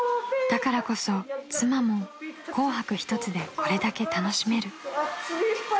［だからこそ妻も『紅白』ひとつでこれだけ楽しめる］